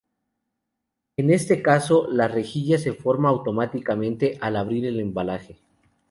En este caso, la rejilla se forma automáticamente al abrir el embalaje.